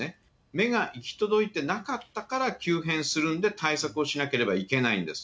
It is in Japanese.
目が行き届いていなかったから急変するんで、対策をしなければいけないんです。